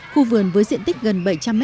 khu vườn với diện tích gần bảy trăm linh m hai